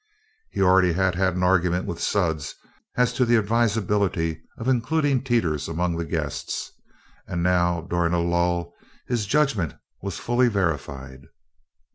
He already had had an argument with Sudds as to the advisability of including Teeters among the guests, and now during a lull his judgment was fully verified.